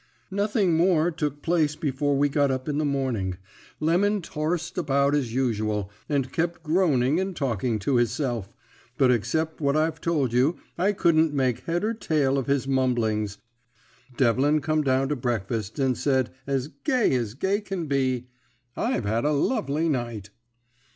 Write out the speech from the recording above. "Nothing more took place before we got up in the morning. Lemon torsed about as usual, and kept groaning and talking to hisself, but, excep what I've told you, I couldn't make head or tail of his mumblings. Devlin come down to breakfast, and said, as gay as gay can be, "'I've had a lovely night.'